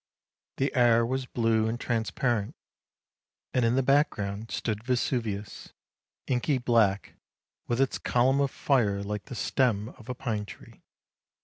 The air was blue and transparent, and in the background stood Vesuvius, inky black, with its column of fire like the stem of a pine tree.